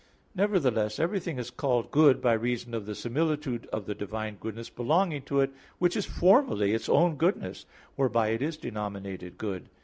Nevertheless, everything is called good by reason of the similitude of the divine goodness belonging to it, which is formally its own goodness, whereby it is denominated good.